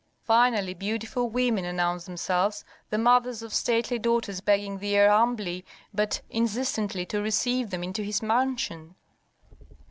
Finally, beautiful women announced themselves, the mothers of stately daughters begging the heir humbly but insistently to receive them into his mansion.